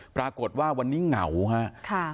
ปรากฏว่าวันนี้เหงาครับ